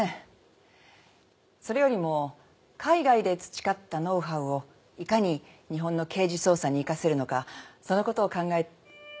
それよりも海外で培ったノウハウをいかに日本の刑事捜査に生かせるのかそのことを考え。